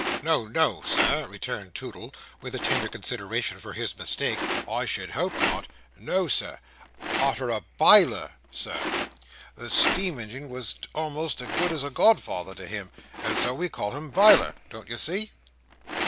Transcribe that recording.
"No, no, Sir," returned Toodle, with a tender consideration for his mistake. "I should hope not! No, Sir. Arter a BILER Sir. The Steamingine was a'most as good as a godfather to him, and so we called him Biler, don't you see!"